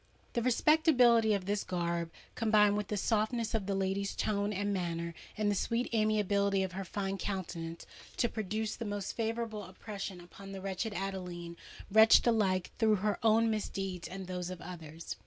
The respectability of this garb combined with the softness of the lady's tone and manner, and the sweet amiability of her fine countenance, to produce the most favourable impression upon the wretched Adeline,—wretched alike through her own misdeeds and those of others!